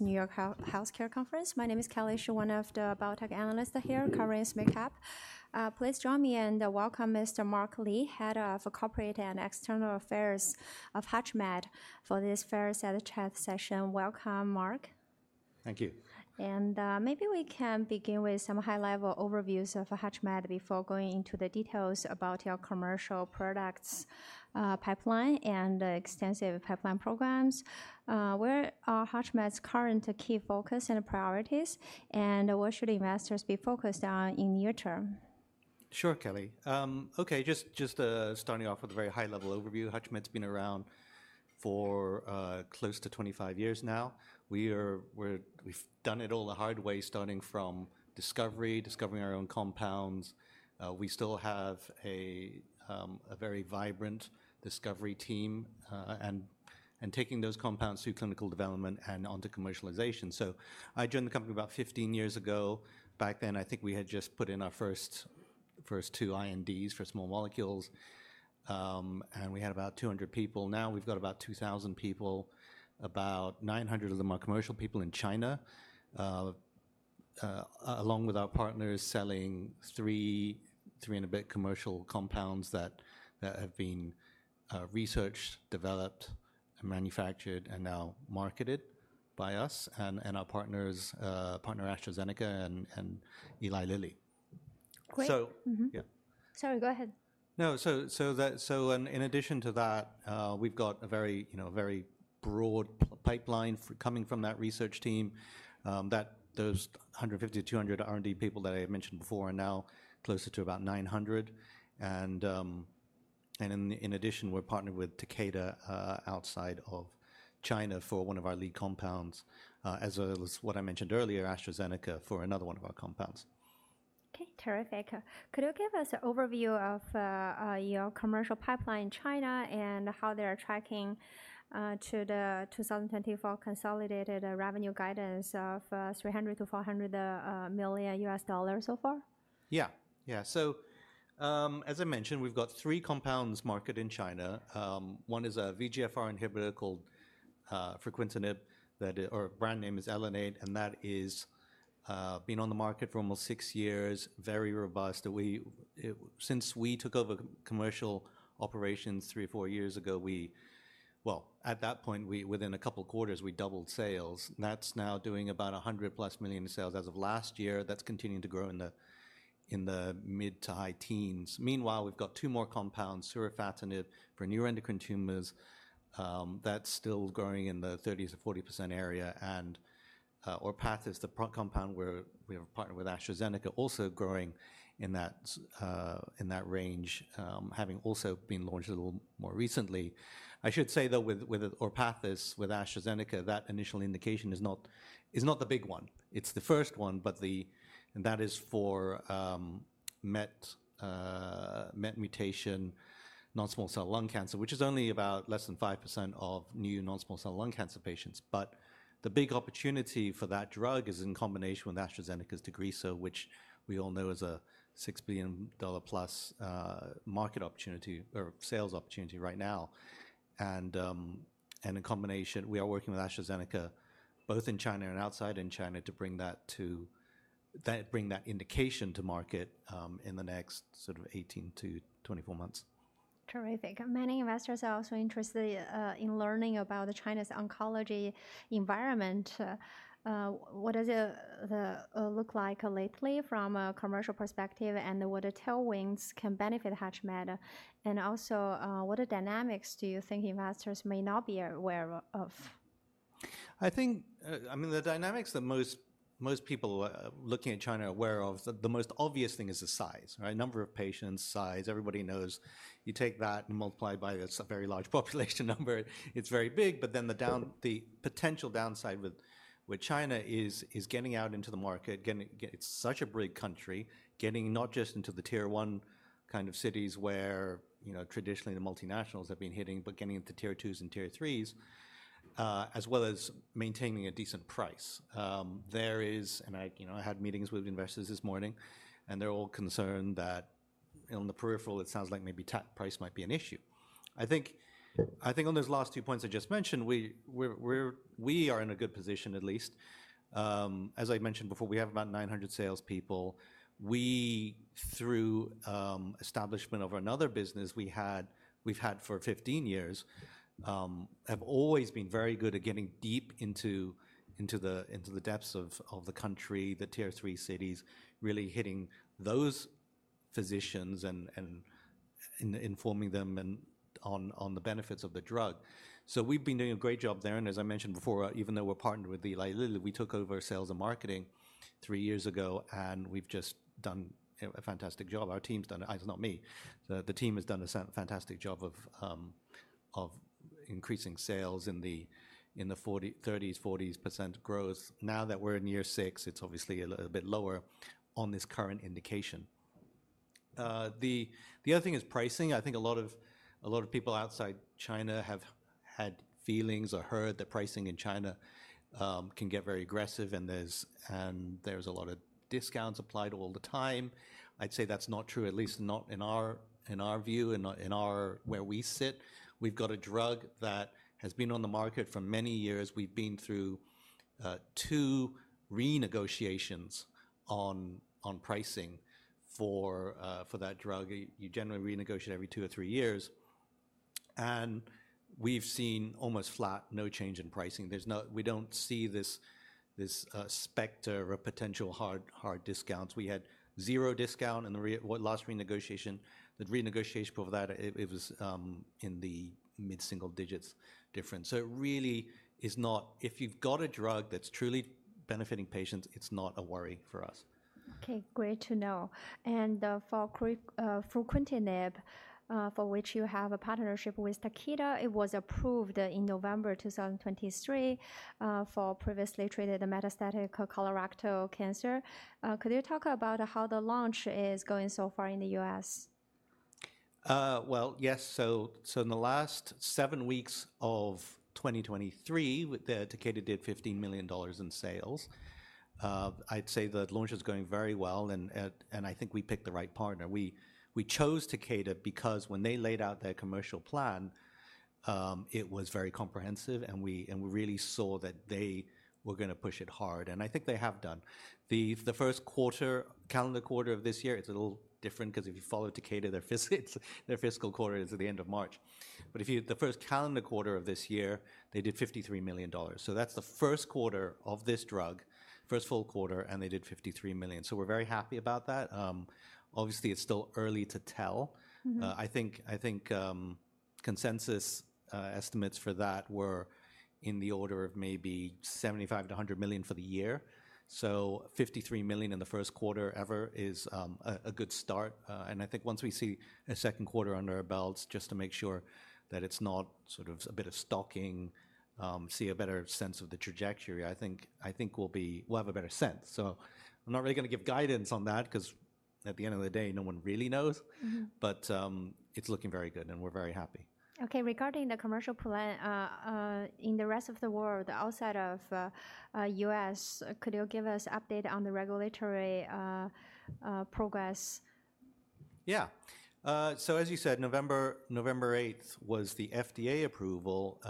New York Healthcare Conference. My name is Kelly Shi, one of the biotech analysts here covering SMID cap. Please join me and welcome Mr. Mark Lee, head of Corporate and External Affairs of HUTCHMED, for this fireside chat session. Welcome, Mark. Thank you. Maybe we can begin with some high-level overviews of HUTCHMED before going into the details about your commercial products, pipeline, and extensive pipeline programs. Where are HUTCHMED's current key focus and priorities, and what should investors be focused on in near term? Sure, Kelly. Okay, just, just, starting off with a very high-level overview, HUTCHMED's been around for close to 25 years now. We've done it all the hard way, starting from discovery, discovering our own compounds. We still have a very vibrant discovery team, and taking those compounds through clinical development and onto commercialization. So I joined the company about 15 years ago. Back then, I think we had just put in our first two INDs for small molecules, and we had about 200 people. Now, we've got about 2,000 people. About 900 of them are commercial people in China. Along with our partners, selling three and a bit commercial compounds that have been researched, developed, and manufactured, and now marketed by us and our partners, AstraZeneca and Eli Lilly. Great. So... Mm-hmm. Yeah. Sorry, go ahead. No. So, in addition to that, we've got a very, you know, a very broad pipeline coming from that research team. Those 150 to 200 R&D people that I had mentioned before are now closer to about 900. And, in addition, we're partnered with Takeda outside of China for one of our lead compounds. As well as what I mentioned earlier, AstraZeneca, for another one of our compounds. Okay, terrific. Could you give us an overview of your commercial pipeline in China and how they are tracking to the 2024 consolidated revenue guidance of $300 million-$400 million so far? Yeah. Yeah. So, as I mentioned, we've got three compounds marketed in China. One is a VEGF inhibitor called fruquintinib, that or brand name is ELUNATE, and that has been on the market for almost six years, very robust. We... Since we took over commercial operations three or four years ago, we-- Well, at that point, we, within a couple of quarters, we doubled sales. That's now doing about $100+ million in sales as of last year. That's continuing to grow in the mid- to high teens. Meanwhile, we've got two more compounds, surufatinib, for neuroendocrine tumors. That's still growing in the 30%-40% area, and ORPATHYS is the partnered compound where we have partnered with AstraZeneca, also growing in that range, having also been launched a little more recently. I should say, though, with, with ORPATHYS, with AstraZeneca, that initial indication is not, is not the big one. It's the first one, but And that is for, MET mutation, non-small cell lung cancer, which is only about less than 5% of new non-small cell lung cancer patients. But the big opportunity for that drug is in combination with AstraZeneca's TAGRISSO, which we all know is a $6 billion+ market opportunity or sales opportunity right now. And, and in combination, we are working with AstraZeneca, both in China and outside in China, to bring that to-- that, bring that indication to market, in the next sort of 18-24 months. Terrific. Many investors are also interested in learning about China's oncology environment. What does it look like lately from a commercial perspective, and what tailwinds can benefit HUTCHMED? And also, what dynamics do you think investors may not be aware of? I think, I mean, the dynamics that most, most people, looking at China are aware of, the, the most obvious thing is the size, right? Number of patients, size. Everybody knows you take that and multiply by its very large population number, it's very big. But then the potential downside with China is getting out into the market. It's such a big country, getting not just into the Tier One kind of cities where, you know, traditionally the multinationals have been hitting, but getting into Tier Twos and Tier Threes, as well as maintaining a decent price. There is, and I, you know, I had meetings with investors this morning, and they're all concerned that in the periphery, it sounds like maybe net price might be an issue. I think on those last two points I just mentioned, we're – we are in a good position, at least. As I mentioned before, we have about 900 salespeople. We, through establishment of another business we had, we've had for 15 years, have always been very good at getting deep into the depths of the country, the Tier 3 cities, really hitting those physicians and informing them on the benefits of the drug. So we've been doing a great job there. And as I mentioned before, even though we're partnered with Eli Lilly, we took over sales and marketing 3 years ago, and we've just done a fantastic job. Our team's done it, it's not me. The team has done a fantastic job of increasing sales in the thirties, forties percent growth. Now that we're in year 6, it's obviously a little bit lower on this current indication. The other thing is pricing. I think a lot of people outside China have had feelings or heard that pricing in China can get very aggressive, and there's a lot of discounts applied all the time. I'd say that's not true, at least not in our view, and not where we sit. We've got a drug that has been on the market for many years. We've been through two renegotiations on pricing for that drug. You generally renegotiate every 2 or 3 years, and we've seen almost flat, no change in pricing. There's no. We don't see this specter or potential hard discounts. We had zero discount in the last renegotiation. The renegotiation before that, it was in the mid-single digits difference. So it really is not. If you've got a drug that's truly benefiting patients, it's not a worry for us. Okay, great to know. And, for fruquintinib, for which you have a partnership with Takeda, it was approved in November 2023, for previously treated metastatic colorectal cancer. Could you talk about how the launch is going so far in the U.S.? Well, yes. So in the last seven weeks of 2023, with Takeda did $15 million in sales. I'd say the launch is going very well, and I think we picked the right partner. We chose Takeda because when they laid out their commercial plan, it was very comprehensive, and we really saw that they were gonna push it hard, and I think they have done. The first quarter, calendar quarter of this year, it's a little different because if you follow Takeda, their fiscal quarter is at the end of March. But if you... The first calendar quarter of this year, they did $53 million. So that's the first quarter of this drug, first full quarter, and they did $53 million. So we're very happy about that. Obviously, it's still early to tell. Mm-hmm. I think consensus estimates for that were in the order of maybe $75 million-$100 million for the year. So $53 million in the first quarter ever is a good start, and I think once we see a second quarter under our belts, just to make sure that it's not sort of a bit of stocking, see a better sense of the trajectory, I think we'll have a better sense. So I'm not really gonna give guidance on that, 'cause at the end of the day, no one really knows. Mm-hmm. It's looking very good, and we're very happy. Okay, regarding the commercial plan, in the rest of the world, outside of U.S., could you give us update on the regulatory progress? Yeah. So, as you said, November, November eighth was the FDA approval.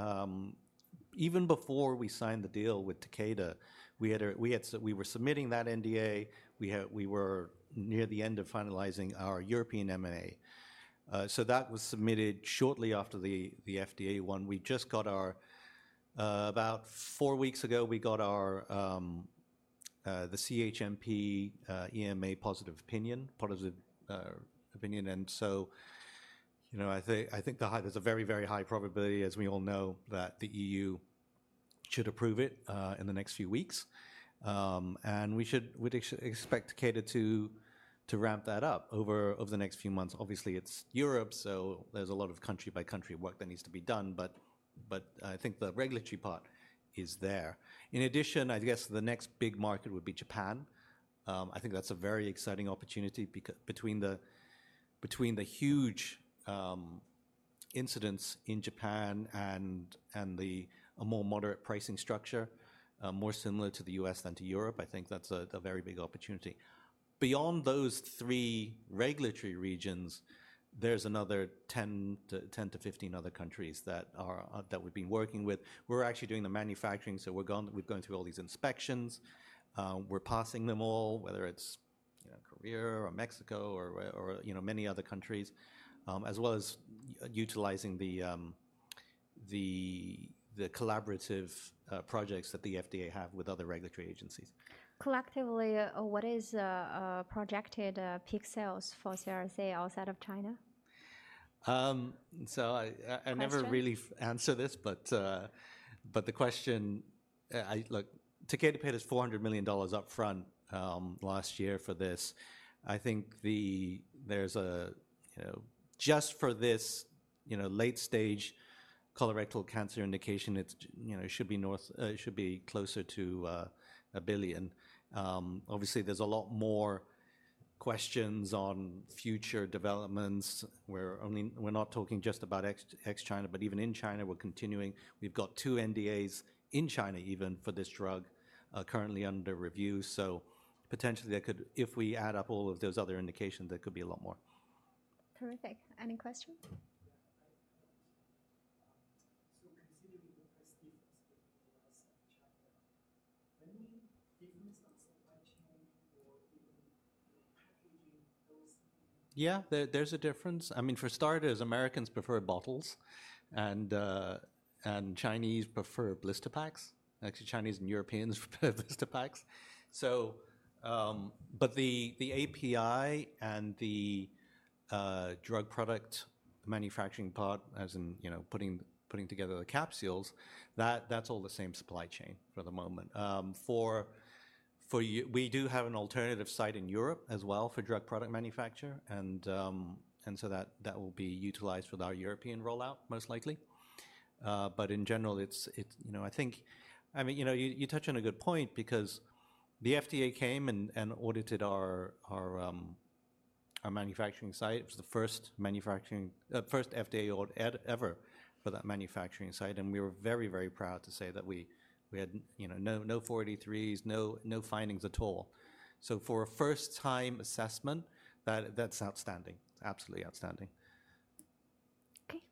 Even before we signed the deal with Takeda, we had a, we were submitting that NDA. We were near the end of finalizing our European MA. So that was submitted shortly after the FDA one. We just got our. About four weeks ago, we got our the CHMP EMA positive opinion, positive opinion. And so, you know, I think, there's a very, very high probability, as we all know, that the EU should approve it in the next few weeks. And we should, we'd expect Takeda to ramp that up over the next few months. Obviously, it's Europe, so there's a lot of country-by-country work that needs to be done, but I think the regulatory part is there. In addition, I guess the next big market would be Japan. I think that's a very exciting opportunity between the huge incidents in Japan and a more moderate pricing structure, more similar to the U.S. than to Europe. I think that's a very big opportunity. Beyond those three regulatory regions, there's another 10 to 15 other countries that we've been working with. We're actually doing the manufacturing, so we're going through all these inspections. We're passing them all, whether it's, you know, Korea or Mexico or, you know, many other countries, as well as utilizing the collaborative projects that the FDA have with other regulatory agencies. Collectively, what is projected peak sales for CRC outside of China? So I- Question? I never really answer this, but the question, Look, Takeda paid us $400 million upfront last year for this. I think, you know... Just for this, you know, late-stage colorectal cancer indication, it's, you know, should be north, should be closer to $1 billion. Obviously, there's a lot more questions on future developments. We're only-- We're not talking just about ex, ex-China, but even in China, we're continuing. We've got 2 NDAs in China, even, for this drug currently under review, so potentially there could-- If we add up all of those other indications, there could be a lot more. Terrific. Any question? Yeah, so considering the price difference between the U.S. and China, any difference on supply chain or even packaging those? Yeah, there, there's a difference. I mean, for starters, Americans prefer bottles, and Chinese prefer blister packs. Actually, Chinese and Europeans prefer blister packs. So, but the, the API and the drug product manufacturing part, as in, you know, putting together the capsules, that's all the same supply chain for the moment. For you, we do have an alternative site in Europe as well for drug product manufacture, and so that will be utilized with our European rollout, most likely. But in general, it's... You know, I think, I mean, you know, you touch on a good point because the FDA came and audited our manufacturing site. It was the first manufacturing, first FDA audit ever for that manufacturing site, and we were very, very proud to say that we had, you know, no, no 483s, no, no findings at all. So for a first-time assessment, that's outstanding. Absolutely outstanding....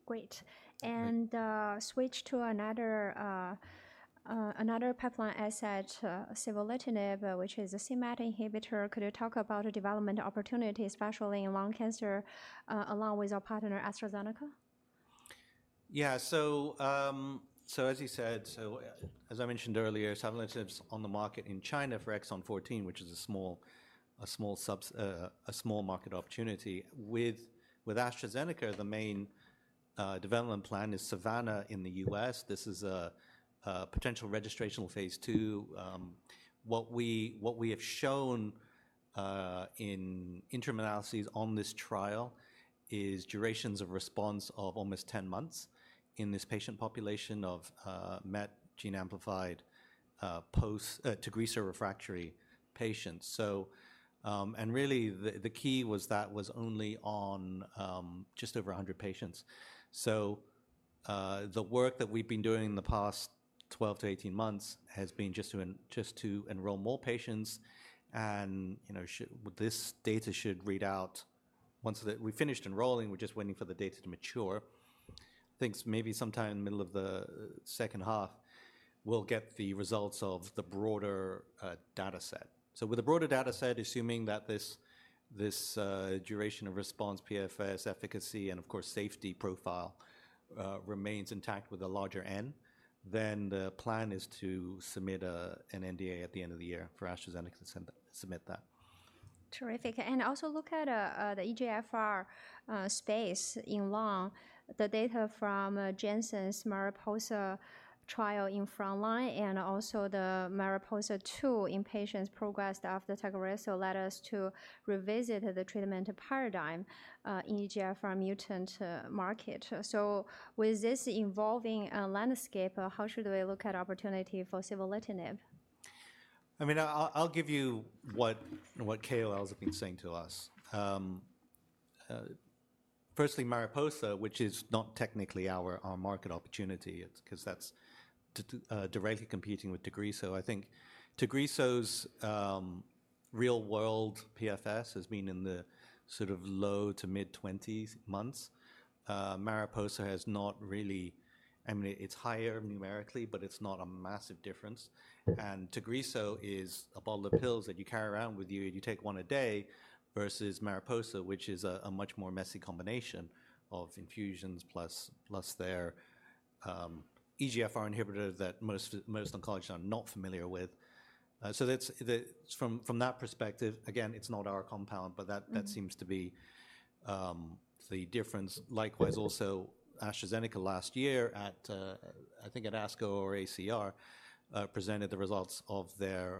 Great. Switch to another pipeline asset, savolitinib, which is a MET inhibitor. Could you talk about the development opportunities, especially in lung cancer, along with our partner, AstraZeneca? Yeah. So as you said, as I mentioned earlier, savolitinib's on the market in China for exon 14, which is a small market opportunity. With AstraZeneca, the main development plan is SAVANNAH in the US. This is a potential registrational phase II. What we have shown in interim analyses on this trial is durations of response of almost 10 months in this patient population of MET gene amplified post TAGRISSO refractory patients. And really, the key was that was only on just over 100 patients. The work that we've been doing in the past 12-18 months has been just to enroll more patients and, you know, this data should read out once the... We've finished enrolling, we're just waiting for the data to mature. Think maybe sometime in the middle of the second half, we'll get the results of the broader, data set. So with a broader data set, assuming that this, this, duration of response, PFS efficacy, and of course, safety profile, remains intact with a larger N, then the plan is to submit a, an NDA at the end of the year for AstraZeneca to send-- submit that. Terrific. And also look at the EGFR space in lung. The data from Janssen's MARIPOSA trial in frontline and also the MARIPOSA-2 in patients progressed after TAGRISSO led us to revisit the treatment paradigm in EGFR mutant market. So with this evolving landscape, how should we look at opportunity for savolitinib? I mean, I'll give you what KOLs have been saying to us. Firstly, MARIPOSA, which is not technically our market opportunity, it's, 'cause that's too directly competing with TAGRISSO. I think TAGRISSO's real-world PFS has been in the sort of low- to mid-20s months. MARIPOSA has not really... I mean, it's higher numerically, but it's not a massive difference. And TAGRISSO is a bottle of pills that you carry around with you, and you take one a day, versus MARIPOSA, which is a much more messy combination of infusions plus their EGFR inhibitor that most oncologists are not familiar with. So that's from that perspective, again, it's not our compound, but that- Mm-hmm. -that seems to be the difference. Likewise, also, AstraZeneca last year at, I think at ASCO or ACR, presented the results of their,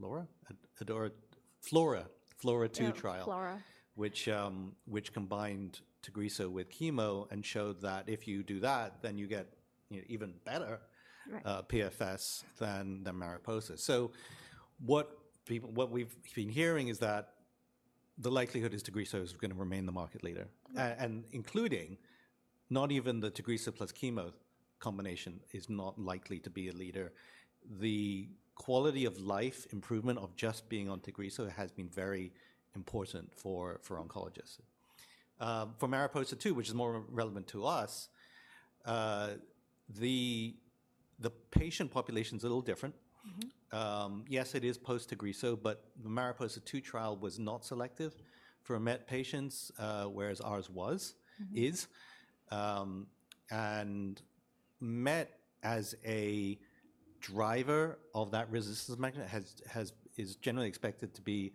FLAURA2 trial- Yeah, FLAURA. -which, which combined TAGRISSO with chemo and showed that if you do that, then you get, you know, even better- Right... PFS than the MARIPOSA. So what we've been hearing is that the likelihood is TAGRISSO is gonna remain the market leader. Mm-hmm. Including not even the TAGRISSO+ chemo combination is not likely to be a leader. The quality of life improvement of just being on TAGRISSO has been very important for oncologists. For MARIPOSA-2, which is more relevant to us, the patient population's a little different. Mm-hmm. Yes, it is post TAGRISSO, but the MARIPOSA-2 trial was not selective for MET patients, whereas ours was- Mm-hmm... is. And MET as a driver of that resistance mechanism is generally expected to be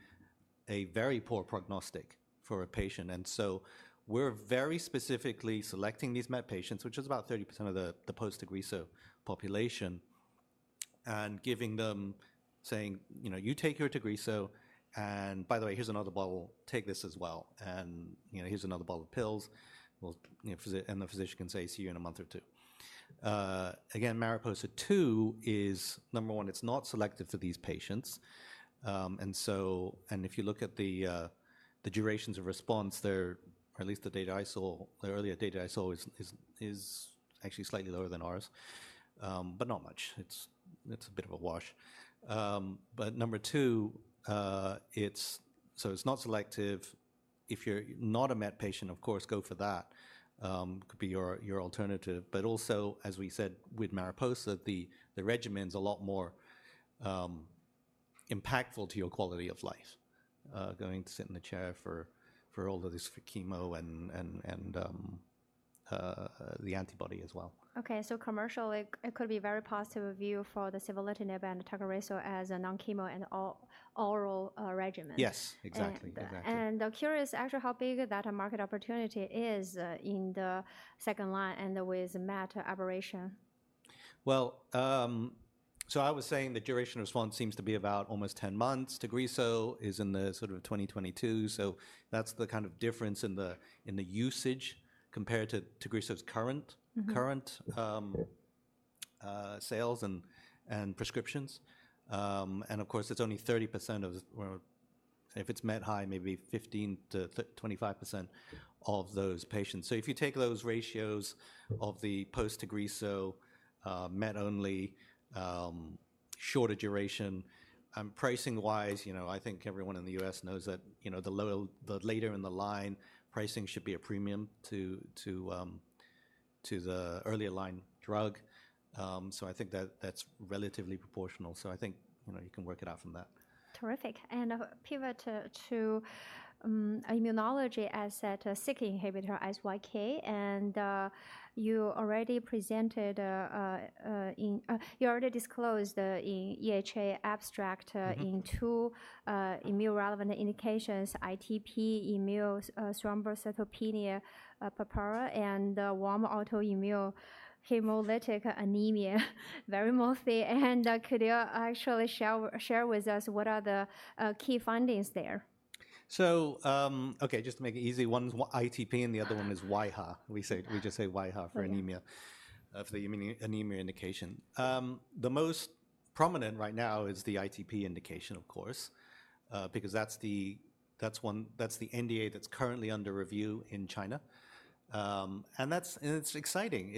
a very poor prognostic for a patient. And so we're very specifically selecting these MET patients, which is about 30% of the post TAGRISSO population, and giving them, saying: "You know, you take your TAGRISSO, and by the way, here's another bottle. Take this as well. And, you know, here's another bottle of pills." Well, you know, and the physician can say, "See you in a month or two." Again, MARIPOSA-2 is, number one, it's not selective for these patients. And so, and if you look at the durations of response, or at least the data I saw, the earlier data I saw is actually slightly lower than ours. But not much. It's a bit of a wash. But number two, it's so it's not selective. If you're not a MET patient, of course, go for that. Could be your alternative. But also, as we said with MARIPOSA, the regimen's a lot more impactful to your quality of life, going to sit in a chair for all of this, for chemo and the antibody as well. Okay, so commercially, it could be very positive view for the savolitinib and TAGRISSO as a non-chemo and all-oral regimen. Yes, exactly. Exactly. I'm curious actually how big that market opportunity is, in the second line and with MET aberration? Well, so I was saying the duration response seems to be about almost 10 months. TAGRISSO is in the sort of 2022, so that's the kind of difference in the, in the usage compared to TAGRISSO's current- Mm-hmm... current sales and prescriptions. And of course, it's only 30% of the... Well, if it's MET high, maybe 15%-25% of those patients. So if you take those ratios of the post-TAGRISSO MET only... shorter duration. Pricing-wise, you know, I think everyone in the U.S. knows that, you know, the lower, the later in the line, pricing should be a premium to the earlier line drug. So I think that that's relatively proportional. So I think, you know, you can work it out from that. Terrific. And a pivot to immunology asset, a Syk inhibitor, SYK, and you already disclosed in EHA abstract- Mm-hmm. in two immune relevant indications, ITP, immune thrombocytopenia purpura, and warm autoimmune hemolytic anemia, very mostly. And could you actually share with us what are the key findings there? So, okay, just to make it easy, one's ITP, and the other one- is wAIHA. We say- We just say AIHA for anemia. Yeah... for the immune anemia indication. The most prominent right now is the ITP indication, of course, because that's the NDA that's currently under review in China. And that's exciting.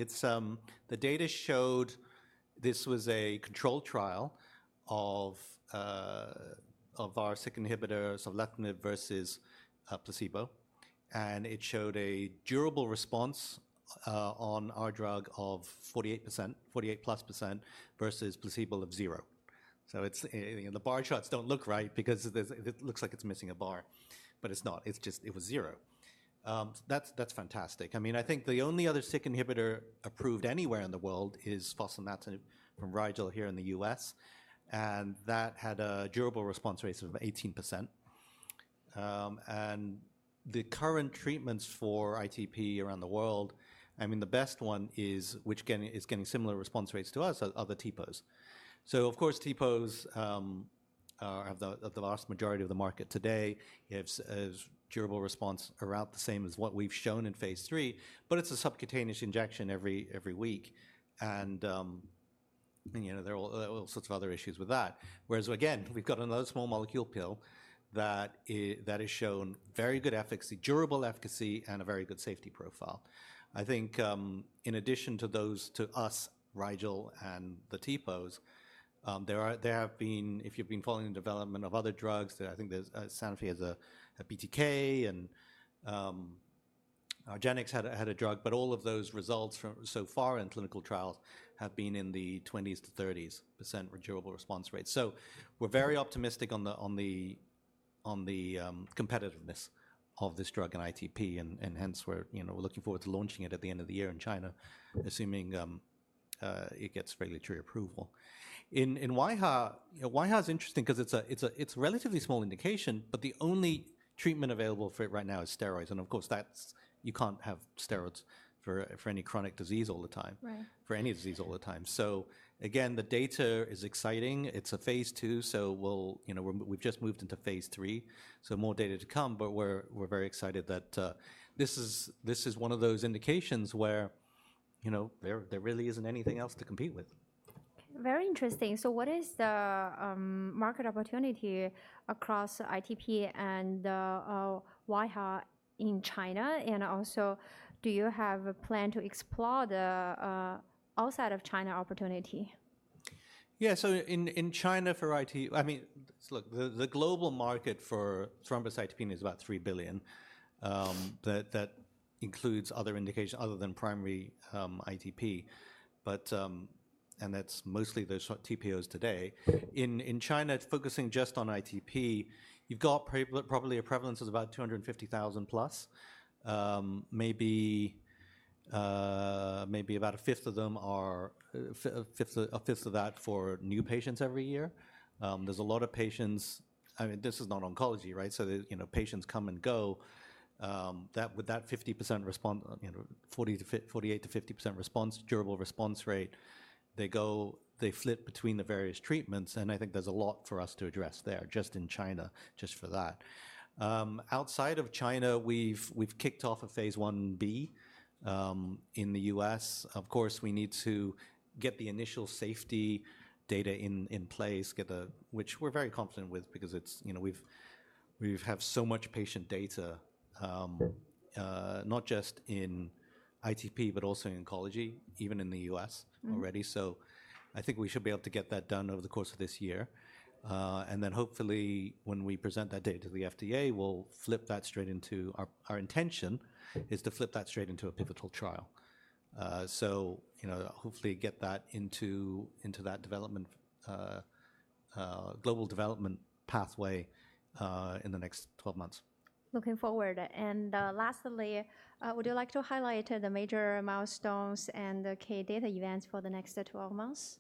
The data showed this was a controlled trial of our Syk inhibitors, of sovleplenib versus placebo, and it showed a durable response on our drug of 48%, 48+% versus placebo of 0%. So it's... And the bar charts don't look right because it looks like it's missing a bar, but it's not. It's just, it was zero. That's fantastic. I mean, I think the only other Syk inhibitor approved anywhere in the world is fostamatinib from Rigel here in the U.S., and that had a durable response rate of 18%. And the current treatments for ITP around the world, I mean, the best one is, is getting similar response rates to us, are the TPOs. So of course, TPOs are the vast majority of the market today. It's durable response are about the same as what we've shown in phase III, but it's a subcutaneous injection every week, and you know, there are all sorts of other issues with that. Whereas again, we've got another small molecule pill that has shown very good efficacy, durable efficacy, and a very good safety profile. I think, in addition to those, to us, Rigel and the TPOs, there are, there have been, if you've been following the development of other drugs, I think there's, Sanofi has a, a BTK, and, argenx had a, had a drug, but all of those results from, so far in clinical trials have been in the 20%-30% durable response rate. So we're very optimistic on the competitiveness of this drug in ITP, and hence we're, you know, we're looking forward to launching it at the end of the year in China, assuming, it gets regulatory approval. In wAIHA, you know, wAIHA's interesting 'cause it's a relatively small indication, but the only treatment available for it right now is steroids. Of course, that's, you can't have steroids for any chronic disease all the time- Right... for any disease all the time. So again, the data is exciting. It's a phase II, so we'll, you know, we're, we've just moved into phase III, so more data to come, but we're very excited that this is one of those indications where, you know, there really isn't anything else to compete with. Very interesting. So what is the market opportunity across ITP and wAIHA in China? And also, do you have a plan to explore the outside of China opportunity? Yeah. So in China, for ITP. I mean, look, the global market for thrombocytopenia is about $3 billion. That includes other indications other than primary ITP, but, and that's mostly the TPOs today. In China, it's focusing just on ITP. You've got probably a prevalence of about 250,000+. Maybe about a fifth of them are a fifth of that for new patients every year. There's a lot of patients. I mean, this is not oncology, right? So, you know, patients come and go. That, with that 50% response, you know, 48%-50% response, durable response rate, they go, they flip between the various treatments, and I think there's a lot for us to address there, just in China, just for that. Outside of China, we've kicked off a phase I-B in the U.S. Of course, we need to get the initial safety data in place, get a, which we're very confident with because it's, you know, we've have so much patient data, not just in ITP, but also in oncology, even in the U.S.- Mm-hmm... already. So I think we should be able to get that done over the course of this year. And then hopefully, when we present that data to the FDA, we'll flip that straight into... Our intention is to flip that straight into a pivotal trial. So, you know, hopefully get that into that development global development pathway, in the next 12 months. Looking forward. Lastly, would you like to highlight the major milestones and the key data events for the next 12 months?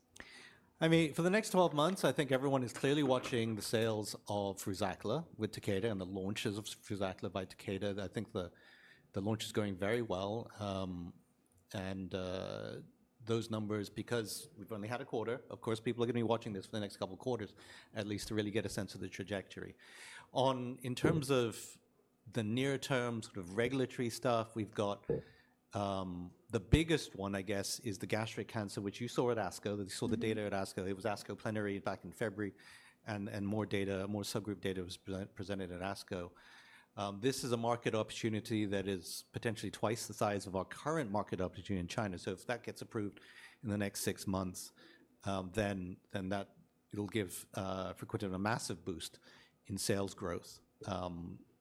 I mean, for the next 12 months, I think everyone is clearly watching the sales of FRUZAQLA with Takeda and the launches of FRUZAQLA by Takeda. I think the launch is going very well. And those numbers, because we've only had a quarter, of course, people are gonna be watching this for the next couple of quarters, at least, to really get a sense of the trajectory. In terms of the near-term sort of regulatory stuff, we've got the biggest one, I guess, is the gastric cancer, which you saw at ASCO. You saw the data at ASCO. It was ASCO Plenary back in February, and more data, more subgroup data was pre-presented at ASCO. This is a market opportunity that is potentially twice the size of our current market opportunity in China. So if that gets approved in the next six months, then that'll give fruquintinib a massive boost in sales growth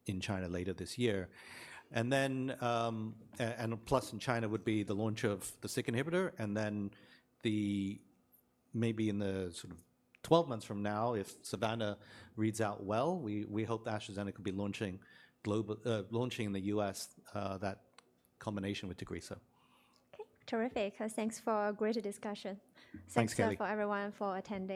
in China later this year. And then, and plus in China would be the launch of the Syk inhibitor, and then maybe in the sort of twelve months from now, if SAVANNAH reads out well, we hope AstraZeneca will be launching global, launching in the US, that combination with TAGRISSO. Okay, terrific. Thanks for a great discussion. Thanks, Kelly. Thanks again for everyone for attending.